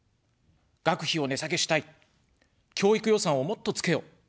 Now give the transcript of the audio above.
「学費を値下げしたい」、「教育予算をもっとつけよ」。